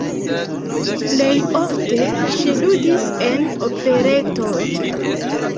Plej ofte ŝi ludis en operetoj.